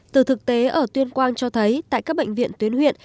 từ thực tế ở tuyên quang cho thấy tại các bệnh viện tuyến huyện